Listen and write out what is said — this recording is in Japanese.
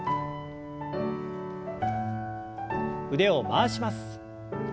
腕を回します。